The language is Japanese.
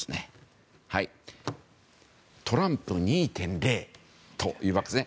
トランプ２．０というわけです。